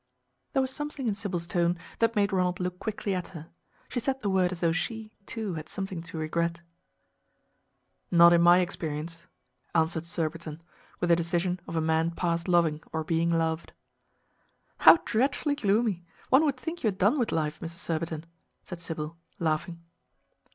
There was something in Sybil's tone that made Ronald look quickly at her. She said the word as though she, too, had something to regret. "Not in my experience," answered Surbiton, with the decision of a man past loving or being loved. "How dreadfully gloomy! One would think you had done with life, Mr. Surbiton," said Sybil, laughing.